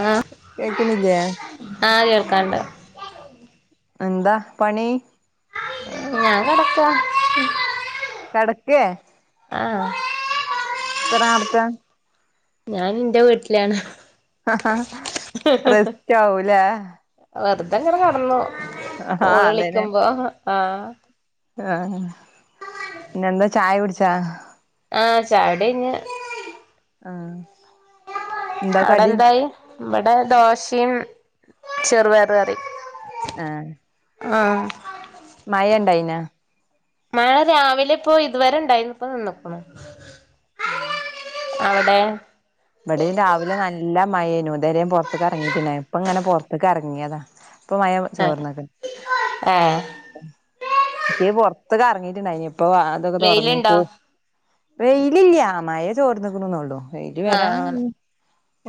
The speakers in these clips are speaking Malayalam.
ആഹ് കേക്കണില്ലേ ആഹ് കേൾക്കാണ്ട് എന്താ പണി ഞാൻ കടക്ക്വ കടക്കെ ത്രി [unintelligible] ക്ക ഞാൻ ഇന്റ വീട്ടിലാണ് റെസ്റ്റ് ആവൂലേ ഇതങ്ങനെ കെട്ന്നു ആഹ് കോൾ അതന്നെ വിളിക്കുമ്പോ ആഹ് ആഹ് പിന്നന്താ ചായ പിടിച്ചാ ആ ചായ ട്യഞ്ഞ് ആഹ് എന്താ ഔടെ കടി എന്തായി ഇവടെ ദോശേം ചെറ് പയർ കറി ഏഹ് ആഹ് മഴ ഇണ്ടായിന മഴെ രാവിലെ ഇപ്പോ ഇതുവരെ ഇണ്ടായിനു ഇപ്പ നിന്ന്ക്ക്ണു ആഹ് അവിടെ ഇവെടീം രാവിലെ നല്ല മഴേനും ഓൻ ഇതരെ പൊറത്ത് എറങ്ങീട്ട്ല്ല ഇപ്പ ഇങ്ങനെ പൊറത്തക്കറക്കി മുങ്ങ്യേത ഇപ്പൊ മഴാ ആഹ് ചോർന്നത് ഏഹ് ഇക്ക കറങ്ങീട്ടുണ്ടായിന്നു ഇപ്പം വാതിക്കെ വെയിലുണ്ടോ തുറന്നേക്കു വെയിലില്ല മഴ ചോർന്നി -ക്കുനന്നേയുള്ളൂ ആഹ്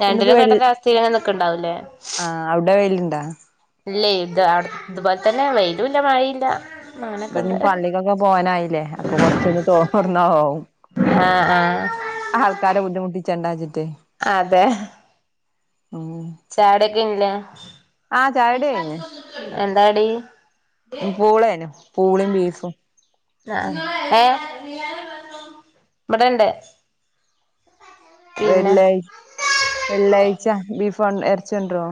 രണ്ടിനും വെയിൽ കേട്ടരവസ്ഥയിൽ ഇങ്ങനെ നിക്ക്ണ്ടാവൂല്ലേ ലിണ്ടാ? ഇല്ലേ ഇത് അവ്ടത്തെ [unintelligible] ഇതുപോലെത്തന്നെ വെയിലും ഇല്ല മഴേ ഇല്ല ഇപ്പൊ പള്ളിക്കൊക്കെ പോവാനായില്ലേ അപ്പൊ കൊറച്ചൊന്ന് തോർന്ന പോവും ആഹ് ആഹ് ആൾക്കാരെ ബുദ്ധിമുട്ടിച്ചണ്ട വച്ചിട്ടേ ചായകുടി കേലെ ആ ചായുടി കഴിഞ്ഞ് എന്താ ടി പൂളേനു പൂളയ്യും ബീഫും ആ ഏ ഇവിടെ ഇണ്ട് വെള്ളിയാഴ്ച്ച് വെള്ളിയാഴ്ച്ച- ഫ [unintelligible] ൺ ഇറച്ചി കൊണ്ടുവരോ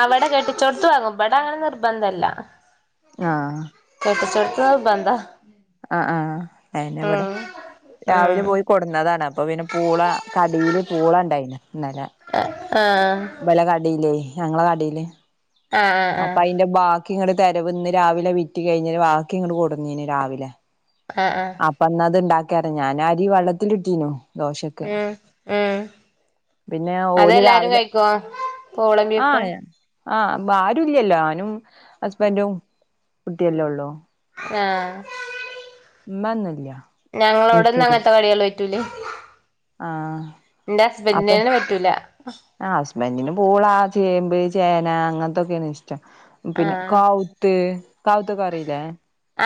അവിടെ കെട്ടിച്ചൊടുത്തു വാങ്ങും ഇവിടെ അങ്ങനെ നിർബന്ധയില്ല ആ നിർബന്ധവ ആ ആ അയിന് ഇവിടെ രാവിലെ ഉം പോയി കൊടുന്നതാണ് അപ്പൊ പിന്നെ പൂള കടിയില് പൂള ഉണ്ടായിന് ഇന്നലെ ആഹ് ആഹ് ഇബലെ കടയിലെ ഞങ്ങളടെ കടിയില് ആഹ് അപ്പ അയിന്റെ ബാക്കി- നിക്ക് ഇങ്ങള് തെരവിന്ന് ഇന്ന് രാവിലെ വിറ്റ് കഴിഞ്ഞ ബാക്കി ഇങ്ങള് കൊടുവെനെ രാവിലെ- ആഹ് ആഹ് അപ്പ ഇന്ന് അത്‌ ഇണ്ടാക്കി കരഞ്ഞ് ഞാൻ ആദി വെള്ളത്തിയിട്ടീനു ഉം ഉം പിന്നെ ഓല് അതെല്ലാരും രാവിലെ കഴിക്കൊ പുള്ളേം ബീഫും ആ ആരും ഇല്ലല്ലോ ഞാനും ഹുസ്‌ബെൻഡും കുട്ടിയല്ലോ ഉള്ളോ ആ ഉമ്മയൊന്നുല്ല ഞങ്ങളോടോന്നും അങ്ങൻത്തെ [unintelligible] റ്റൂല. ആഹ് ഇന്റെ ഹസ്ബൻന്റെന്ന് പറ്റൂല്ലാ. ആ ഹസ്ബന്റിന് പൂളാ, ചേമ്പ്, ചേന അങ്ങനെത്തൊക്കേണ് ഷ് ഷ്ടം പിന്നെ ആഹ് കാവുത്ത് കാവ് ത്തൊക്കെ അറീല്ലേ?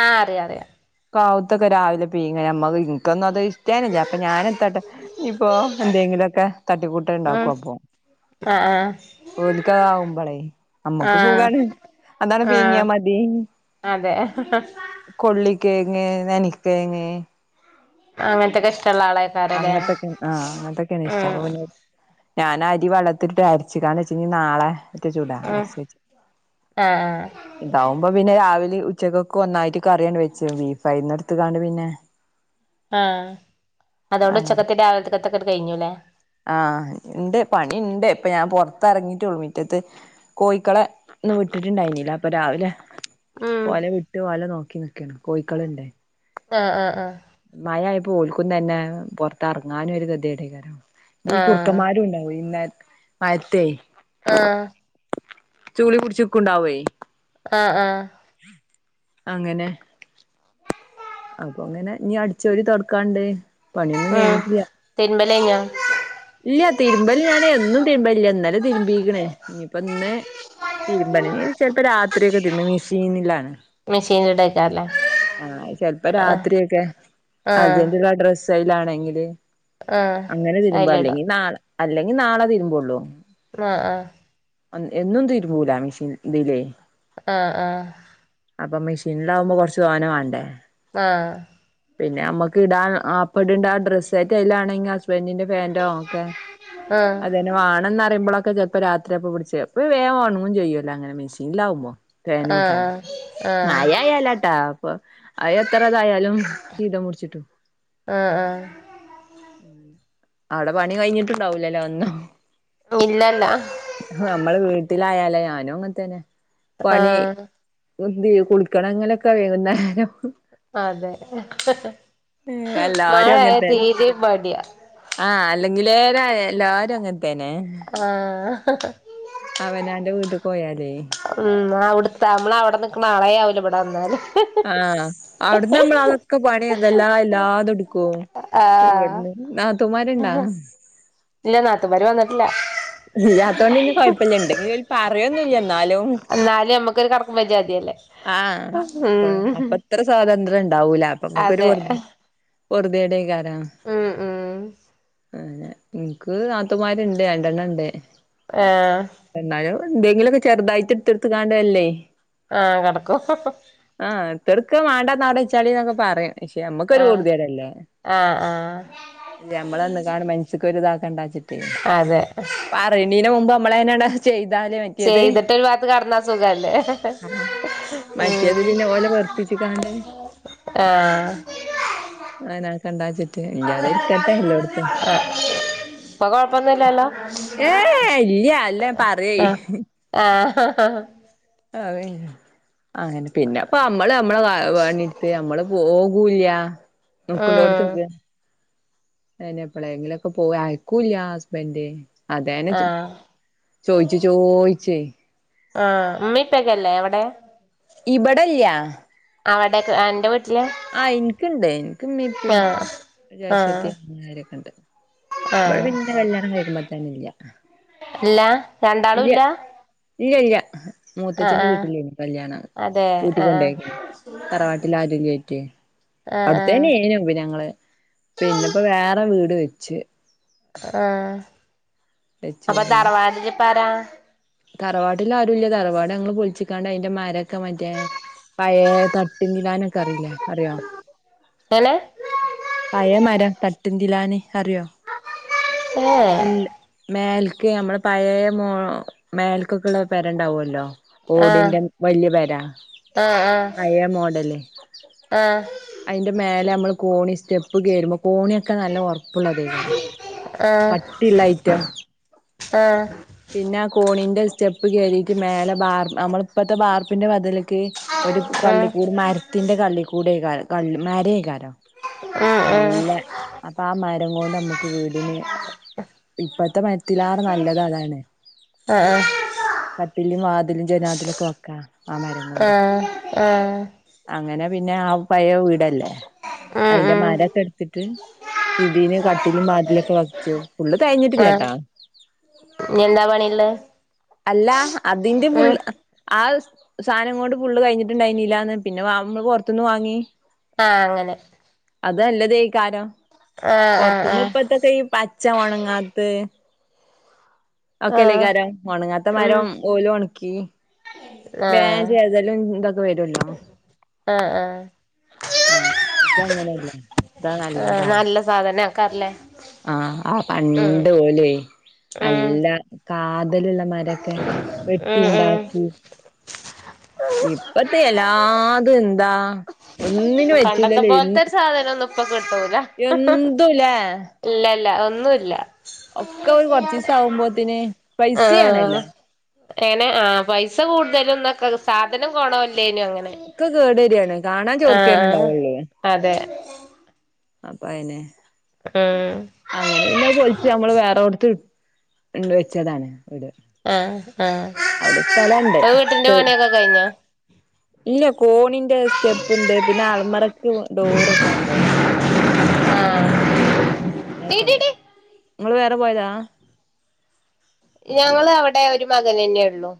ആഹ് അറിയാ അറിയാ കാവുത്തൊക്കെ രാവിലെ പീങ്ങാ. യമ്മക്ക് ഇൻക്കൊന്നത് ഷ് റ്റേനില്ലാ. അപ്പ ഞാനെത്താട്ടും ഇപ്പോ എന്തെങ്കിലൊക്കെ തട്ടിക്കൂട്ട് ഉണ്ടാക്കും ഉം അപ്പം ആഹ് ആഹ് ഓലിക്ക ആവുമ്പോളേ നമ്മക്ക് ആഹ് സുഖാണ് അതാണ് പീങ്ങിയാ ആഹ് മതി അതെ കൊള് [unintelligible] അങ്ങനത്തെ കഷ് അങ്ങനത്തൊക്ക ആഹ് അങ്ങനത്തൊക്കെയാണ് ഇഷ്ടം ഉം അപ്പൊ പിന്നെ ഞാന അരി വളത്തിട്ട് അരിച്ചടാന്ന് വെച്ച് നാളെ മറ്റ ചൂടാ ഉം ശെരി ആഹ് ഇതാവുമ്പോ പിന്നെ രാവിലെ ഉ ച്ചകൾക്ക് ഒന്നായിട്ട് കറിയണ്ട് വെച്ചു ബീഫയിന്നടുത്തു കാണ്ട് പിന്നെ ആഹ അതുകൊണ്ട് ഉച്ചക്കത്തെ രാവിലത്തെ ത്തൊക്കട്ട് കഴിഞ്ഞല്ലേ ആഹ ഉണ്ട് പണിണ്ട് ഇപ്പൊ ഞാൻ പൊറത്ത്റങ്ങിട്ടുള്ളു മിറ്റത്ത് കോഴിക്കള ഒന്ന് വിട്ടിട്ടുണ്ടായിനില്ല അപ്പൊ രാവിലെ ഉം ഓലെ വിട്ടു ഓലെ നോക്കിന്ന് കോയിക്കളുണ്ട് ആഹ ആഹ ആഹ പ്പോൽക്കുന്ന തന്നെ പുറത്ത്റങ്ങാനും ഒരു ഗതി [unintelligible] നീ ആഹ് കുർക്കന്മാരുണ്ടാവും ഇന്ന മയത്തേ ആഹ് ചൂളി കുടിച്ചക്കുണ്ടാവേ ആഹ ആഹ അങ്ങനെ അപ്പൊ അങ്ങനെ നീ അടിച്ചോര് തൊടക്കാണ്ട് പണിയൊന്നും ഉം കയിഞ്ഞിട്ടില്ല [unintelligible] ഇല്ല തിരുമ്പല് ഞാന് എന്നും തിരുമ്പലില്ല ഇന്നല് തിരുമ്പിക്കണ് ഇനിയിപ്പ ഇന്ന് തിരുമ്പില് ചിലപ്പോ രാത്രിക്കെ തിരുമ്പ് മിഷന്നില്ലാണ് മെഷീനിലിടേക്കാരല്ലേ ആ ചെലപ്പോ ആഹ് രാത്രിയക്കെ അർജന്റ്ള്ള ഡ്രസ്സ് സൈലാണെങ്കില് ആഹ തിരുമ്പ് അല്ലെങ്കി നാൾ അല്ലെങ്കിൽ നാളെ തതിരുമ്പോള്ളൂ ങാ ങാ എന്നും തീരുമൂല മെഷി ഇതിലേ ആ ആ അപ്പൊ മെഷീനിലാകുമ്പോൾ കുറച്ച് തോനെ വേണ്ടേ ആ പിന്നെ അമ്മക്ക് ഇടാൻ അപ്പടണ്ട ആ ഡ്രസ്സ് ആ എല്ലാണെങ്കിൽ ഹസ്ബൻഡിന്റെ പാൻ്റ് ഒക്കെ ആഹ് അതന്നെ വേണന്ന്റിയുമ്പോളെക്കെ ഒക്കെ [unintelligible] രാത്രിയപ്പൊ ചെലപ്പ വേഗോണ ചെയ്യൂല്ല അങ്ങനെ മെഷീനിലാവുമ്പോ പേനൂട്ടാണ് ആഹ് ആഹ് മഴായാലാട്ടാ അപ്പൊ അ എത്ര ഇതായാലും ചീതം മുടിച്ചിട്ടു ആഹ് ആഹ് അവിടെ പണി കഴിഞ്ഞിട്ടുണ്ടാവൂലല്ലോ ഒന്നും ഇല്ലല്ല വട്ടത്തിലായാലേ ഞാനും അങ്ങനത്തേന്നെ ആ [unintelligible] കുളിക്കണം അങ്ങനൊക്കെ വേങ്ങുന്നെ അതെ എല്ലാരും മഴയായാ അങ്ങൻത്തന്നെ തീരേ മടിയാ ആഹ് അല്ലെങ്കിലേ എല്ലാരും അങ്ങന തന്നെ ആഹ് അവൻ അവന്റെ വീട്ടിക്ക് പോയാര്ന്ന് ആ അവ്ട്ത്ത നമ്മള അവിടെ നിക്കണ ആളെ ആവീല ഇവിടെ വന്നാല് ആഹ് അവിടുന്ന് നമ്മൾ അതൊക്കെ പഠി അ എന്തെല്ലാ എല്ലാതൊട ക്ക് ആഹ് ഇവിടന്ന് നാത്തുമാരുണ്ടാ ഇല്ല നാത്തൂമാര് വന്നിട്ടില്ല ഇല്ല അതുകൊണ്ട് പിന്നെ കുഴപ്പില്ല ഇണ്ട്ങ്കിലൊര് പ മഴേന്നൂല്ലെന്ന് എന്നാലും കൊരു [unintelligible] ആ അപ്പത്ര സ്വാതന്ത്ര്യം ഉ ണ്ടാവൂല അപ്പ നമ്മക്കൊരു അതെ ഒരുദേടേ കാ ഉം ഉം അ എനിക്ക് നാത്തൂമാരുണ്ട് രണ്ടെണ്ണംണ്ട് ആഹ് എന്തെങ്കിലുമൊക്കെ ചെറുതായിട്ട് എടുത്ത് എടുത്ത്ക്കാണുവല്ലേ ആഹ് കിടക്കും ഒക്കെ വേണ്ടാന്ന് അടെ ഇച്ചാളി എന്നൊക്കെ പറയും പക്ഷെ നമ്മക്കൊരു ആഹ് ഊർതിയടല്ലേ ആഹ് ആഹ് ഞമ്മളന്ന് കാണും മനുഷ്യർക്ക് ഇതാക്കണ്ടാച്ചിട്ടേ അതെ പറേണേനു മുമ്പ് നമ്മളയാനാണ് ചെയ് ചെയ്തിട്ട് ഒരു ഭാത്ത് കിടന്നാ സുഖല്ലേ മറ്റേത് ഉം പിന്നെ ഓലെ വെർപ്പിച്ച് കാണ് ആഹ് ആനാ കണ്ടാച്ച് ഇപ്പൊ കൊഴപ്പൊന്നുമില്ലല്ലോ ഏ ഇല്ല അല്ല പറയേ ആ ആഹ് അതെ അങ്ങനെ പിന്നെ അപ്പ നമ്മള് നമ്മള് വേണിടുത്ത് നമ്മള് പോകൂല്ല ആ നമുക്ക് ഉണ്ടോട്ത്ത് ഉം ഉണ്ട് എന്നെപ്പോലെ എങ്കിലൊക്കെ പോവെ അയക്കൂല്ല ഹസ്ബൻഡ് അതേനെ ആഹ് ചോയിച്ചു ചോയിച്ചേ ആഹ് ഉമ്മി ഉപ്പെക്കെ അല്ലേ എവിടെ ഇവിടില്ല അവിടെ എന്റെ വീ ആഹ് എനിക്കുണ്ട് ആഹ് ആഹ് [unintelligible] ആാരൊക്കെ ഉണ്ട് ഇവിടെ ആഹ് പിന്നെ എന്റെ കല്യാണം കഴിക്കുമ്പ തന്നെ ഇല്ല ഇല്ല രണ്ടാളും ശെരിയാ ഇല്ല ഇല്ല ഇല്ല ആഹ് മൂത്തച്ഛന്റെ ആഹ് വീട്ടിലു കല്യാണവാ അതെ ആഹ് കൂട്ടികൊണ്ടേ തറവാട്ടിൽ ആരേലുവേ ആഹ് ആഹ് അവിടുത്തന്നെ [unintelligible] ഞങ്ങള് പിന്നെപ്പോ വേറെ വീട് വെച്ച് ആ വെച്ച് അപ്പം പിന്നെ തറവാട്ടില് പറാ തറവാട്ടിൽ ആരുല്ല തറവാട് ഞങ്ങൾ പൊളിച്ചിക്കാണ്ട് അതിന്റെ മര മറ്റേ പഴയ തട്ടിന്തിലാനൊക്കെ അറിയില്ലേ അറിയോ എങ്ങനെ പഴേ മരം തട്ടിന്തിലാന് അറിയോ ഏഹ് ഇല്ല് മേൽ ഓക്കെ നമ്മൾ പഴേ മോൾ മേൽക്കൊക്കെ ഉള്ള പെരയുണ്ടാവുവല്ലോ ആഹ് ഓടിന്റെ വല്യ പെര ആഹ് ആഹ് പഴയ മോഡല് ആഹ് അതിന്റെ മേലെ നമ്മള് കോണി സ്റ്റെപ്പ് കയറുമ്പം പോണിയൊക്കെ നല്ല ഉറപ്പുള്ളതേകാരാ ആഹ് പട്ടില്ല ഐറ്റ ആഹ് പിന്നെ കോലിന്റ് സ്റ്റെപ്പ് കേറിയിട്ട് മേലെ ബാർ് നമ്മള് ഇപ്പഴത്തെ ബാർപ്പിന്റെ വതില് കെ ഒരു ആഹ് പള്ളിക്കൂട്മരത്തിന്റെ കള്ളി കൂടേ രാര് കല്മ്മാരെ കര [unintelligible] ആഹ് നല്ല അപ്പൊ ആ മരം കൊണ്ട് നമ്മുക്ക് വീടിനെ ഇപ്പത്തെ മരത്തിലാറ് നല്ലത് അതാണ് ആഹ് കട്ടിലും വാതിലും ജനാത്തിലൊക്കെ വെക്കാ ആ മെരം ആഹ് കൊണ്ട് അങ്ങ ആഹ് ആഹ് അങ്ങനെ പിന്നെ ആ പഴേവീടല്ലേ ഉം അയിന്റെ ഉം മരൊക്ക ഇട്ത്തിട്ട് ഇതിന് കട്ടിലും ബാതിലൊക്ക വ ആ ഇനിയന്താ പണിള്ളത്? അല്ല അതിന്റെ ഫുൾ അ ആ സായ്നംങ്ങോണ്ട് ഫുള് കഴിഞ്ഞിട്ട്ണ്ടായിനില്ലാന്ന് പിന്നെ വാമ്മള് പുറത്തുന്ന് വാങ്ങി. ആ അങ്ങനെ അതല്ലതേക്കാരം. ആഹ് ആഹ് പൊർത്തുന്ന് ആഹ് പ്പത്തത്തെയ് പച്ച ഒണങ്ങാത്തെ ആഹ് ഓക്കെല്ലക്കാരം ഒണങ്ങാത്ത ഉം മരം ഓലും ഒണക്കി ആഹ് വേം ചെതലും ന്തൊ ഇത് വരൊല്ലോ ആഹ് ആഹ് ആ ഇതങ്ങനെല്ല ഇതാ ആഹ് നല്ലതാവും. നല്ല സാധന ആക്കാറല്ലേ ആ ആ ഉം പണ്ട് ഓലെ ഉം നല്ല കാ തലുള്ള മരൊക്കെ ഉം ഉം വെട്ടിണ്ടാക്കി. ഇപ്പത്തെ എല്ലാതും എന്താ ഒന്നിനു പണ്ടത്തെ പറ്റുലല്ലേ പോലത്തെ ഒരു സാധനം ഒന്നും ഇപ്പൊ കിട്ടൂല ഇല്ലല്ല. ഒന്നുല്ല. ഒക്കെ ഒരു കൊറച്ചീസം ആവുമ്പോത്തിന് ആ പൈസയാണല്ലോ എങ്ങനെ ആ പൈസ കൂടുതലൊന്നക്ക സാധനം കൊണോ ഒക്കെ കേടരിയാണ് കാണ ൻ ചൊർക്കെന്നെ ആഹ് ഇണ്ടാവൊള്ളേ അതെ അപ്പ അയിനെ അം അങ്ങനെ പിന്നെ പൊലിച്ച് നമ്മള് വേറെോടത്ത് ഉണ്ടൊച്ചതാണ് ഇവിട് ആഹ് ആഹ് അവ്ട്പ്പെലാണ്ട് ഇപ്പൊ വീട്ടിന്റെ പണിയൊക്കെ കഴിഞ്ഞോ ഇല്ല കോണിന്റെ സ്റ്റെപ്പ്ണ്ട് പിന്നെ അൽമറക്ക് ഡോറെക്കണ്ടാർ ആഹ് അ ഒക്കണ്ട് ടീടീടി നിങ്ങള് വേറെ പോയതാ ഞങ്ങള് അവടെ ഒരു മകനന്നേയൊള്ളു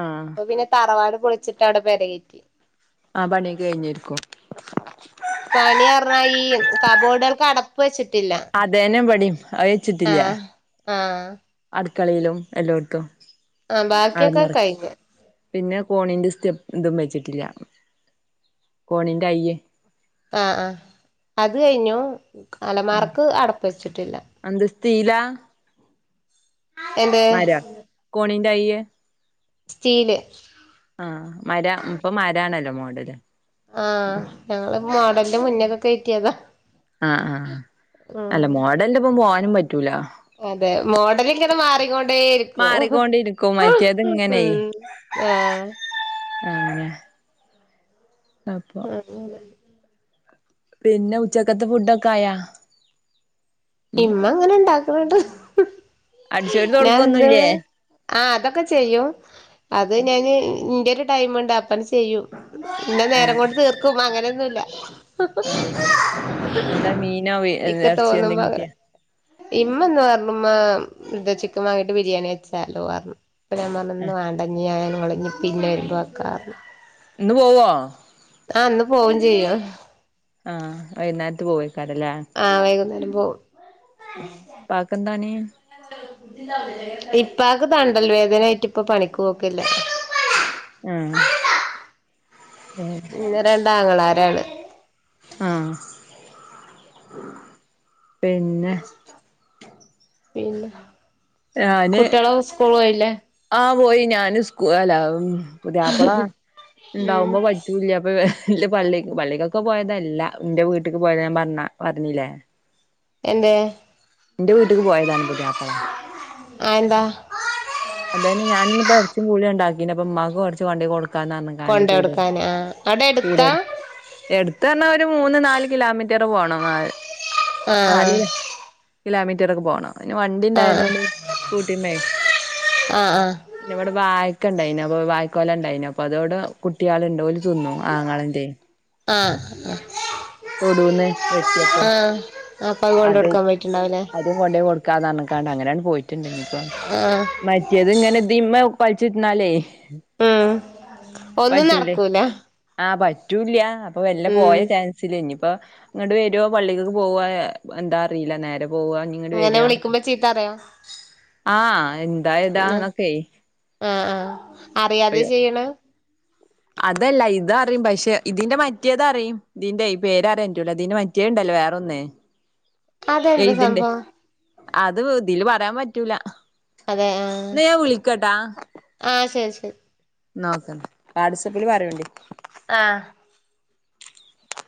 ആഹ് അപ്പൊ പിന്നെ തറവാട് പൊളിച്ചിട്ടവടെ പെരകേറ്റി ആ പണീം കയ്ഞ്ഞേര്ക്കും പണിയറഞ്ഞാ ഈ കബോഡുകൾക്ക് അടപ്പെച്ച് അതേനം ഇവിടേം അവെച്ചിട്ടില്ല. ആഹ് ആഹ് അട് ക്കളെലും എല്ലോട്ത്തും. ആഹ് ബാക്കിയൊക്കെ അൾമറ കയ്ഞ്ഞ്. പിന്നെ കോണിന്റെ സ്റ്റെപ്പ് ഇതും വെച്ചിട്ടില്ല. കോണിന്റെ അയ്യെ ആഹ് ആഹ് അത് കഴിഞ്ഞു. അലമാറക്ക് അടപ്പെച്ചിട്ടില്ല. തീലാ എന്ത് മരം കോണി റ്റയ്യേ സ്റ്റീല് മര ഇപ്പൊ [unintelligible] ആഹ് ഞങ്ങള് മോഡലിന്റെ മുന്നേ ഒക്കെ കയറ്റിയതാ. ആഹ് ആഹ് ഉം അല്ല മോഡലിൻ്റൊപ്പം പോവാനും പറ്റൂല. ബേരിക്കോ മാറിക്കൊണ്ടിരിക്കും മറ്റേത് ഇങ്ങനെ ഉം ആഹ് അങ്ങനെ അപ്പോ അങ്ങനെ പിന്നെ ഉച്ചക്കത്തെ ഫുഡൊക്കായാ? ഇമ്മ അങ്ങനിണ്ടാക്കണണ്ട്. അടിച്ചോരി ഞാൻന്ന് തൊടക്കൊന്നുല്ലേ ആ അതൊക്കെ ചെയ്യും. അത് ഞാന് ന്റെ ടൈമുണ്ട് അപ്പൻ ചെയ്യും. പിന്നെ നേരം കൊണ്ട് തീർക്കും അങ്ങനൊന്നു ല്ല. ആന്നോ? എന്താ മീനോ വി എറച്ചിയെന്തെകിട്ട്യാ? ഇമ്മ ഇന്ന് പറഞ്ഞുമ്മാ എന്ത്വ ചിക്കൻ വാങ്ങിട്ട് ബിരിയാണി വെച്ചാലോന്ന് പറഞ്ഞു. അപ്പ ഞാൻ പറഞ്ഞു ഇന്ന് ആഹ് വാണ്ട ഇഞ്ഞിയായാലു ങ്ങളിനി പിന്നെ വരുമ്പോവെക്കാർഞ്ഞു. ഇന്ന് പോവോ? ആഹ് ഇന്ന് പോവും ചെയ്യും. ആഹ വൈനേരത്ത് പോവായിക്കും അതല്ലേ? പോ [inaudible] ഉപ്പാക്ക് തണ്ടൽ വേദനായിട്ട് ഇപ്പ പണിക്ക് പോക്കില്ല. ആഹ് പിന്ന രണ്ടാങ്ങളാര്. ഏള് ആഹ് പിന്നെ പിന്ന ഞാന് കുട്ടികളൊക്കെ സ്കൂള് പോയില്ലേ ആ പോയി ഞാന് [unintelligible] പുതിയാപ്പളാ ഉം ഇണ്ടാവുമ്പോ പറ്റൂല്ല പ്പൊ ഇല്ല പള്ള പള്ളിക്കൊക്കെ പോയതല്ല ന്റെ വീട്ടിക്ക് പോയത് ഞാൻ പറഞ്ഞ പറഞ്ഞില്ലേ എന്തെ എന്റെ വീട്ടിക്ക് പോയതാണ് പുതിയാപ്പള അ എന്താ അതാണ് ഞാനിന്ന്പ്പ എറച്ചിം പൂളെണ്ടാക്കിനപ്പം ഉമ്മാക്ക് കൊറച്ച് കൊണ്ടോയ് കൊട് ക്കാണ്അർഞ്ഞിക്കാണ്ട് ചൂടോട്ക്കെ കൊണ്ടോടുക്കാന് ആഹ് അവിടെ എടുത്താ ചൂടോട് എട്ത്താർഞ്ഞാ ഒരു മൂന്ന് നാല് കിലോമീ റ്റർ പോണം [unintelligible] ആ ആഹ് കിലോമീറ്ററൊക്കെ പോണം അയിന് വണ്ടി ആഹ് ഇണ്ടായതോണ്ട് പി സ്കൂട്ടിമ്മേൽ ആഹ് ആഹ് പിന്നെ വടെ വാ ക്കെണ്ടായിനി അപ്പ വാഴക്കൊല ഇണ്ടായിന് അപ്പൊ അതോട് കുട്ട്യള്ണ്ട് ഓല് തിന്നും ആങ്ങളെന്റെ ആഹ് തൊടൂന്ന് വെട്ടിയപ്പോ ആഹ് അപ്പൊ കൊണ്ട് അത് കൊടുക്കാൻ പോയിട്ടുണ്ടാവൂലേ അതും കൊണ്ടെയ് കൊട്ക്കാന്ന് പർഞ്ഞ്ക്കാണ്ട് അങ്ങനെയാണ്ട് പോയിട്ടുണ്ട് ഇഞ്ഞ്പ്പം ആഹ് മറ്റേത് ഇങ്ങനെ ഇത് ഇമ്മ [unintelligible] പയ്ച്ചിര്ന്നാലെ ഉം ഒന്നും നടക്കൂല റ്റൂല്യ അപ്പൊ മെല്ല പോയ ഉം ചാൻസില് ഇ ഇപ്പൊ ഇങ്ങട്ട് വരോ പള്ളിക്ക് പോവായോ എന്താ അറിയില്ല നേരം ഇങ്ങനെ വിളിക്കുമ്പോ ചീത്തറിയോ [inaudible] ഉ ന്നൊക്കെ ആ ആ അറിയാതെ ഒരു ചെയ്യണ അതല്ല ഇത അറിയും പക്ഷെ ഇതിന്റെ മറ്റെയത് അറിയും ഇതിന്റെ പേര് അറിയാറ്റുല്ല ഇതിന്റെ മറ്റെയോണ്ടല്ലോ വേറൊന്ന് അതെന്ത് എഴുത്ണ്ട് സംഭവം അത് ഇതില് പറയാൻ പറ്റൂല അതെ ആഹ് ന്നാ ഞാൻ വിളിക്കട്ടാ ആഹ് ശരി ശ നോക്കന്നാ [unintelligible] വരൂല്ലേ ആഹ്